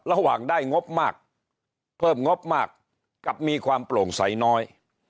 ระหว่างได้งบมากเพิ่มงบมากกับมีความโปร่งใสน้อย